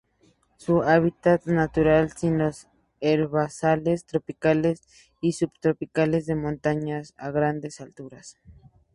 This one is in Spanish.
Su hábitat natural sin los herbazales tropicales y subtropicales de montaña a grandes alturas.